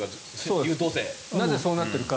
なぜ、そうなっているか。